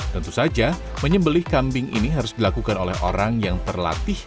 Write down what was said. tentu saja menyembeli kambing ini harus dilakukan oleh orang yang terlatih